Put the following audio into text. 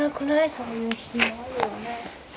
そういう日もあるよね。